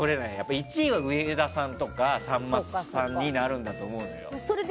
１位は上田さんとかさんまさんになると思うんだよ。